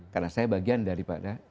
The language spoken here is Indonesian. karena saya bagian dari dua ratus dua belas